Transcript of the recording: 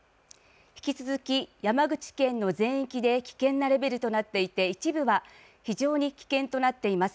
引き続き山口県の全域で危険なレベルとなっていて一部は非常に危険となっています。